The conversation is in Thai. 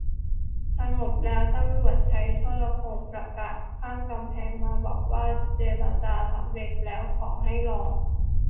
สงบแล้ว ตำรวจใช้โทรโข่งประกาศข้ามกำแพงมาบอกว่า เจรจาสำเร็จแล้ว ขอให้รอ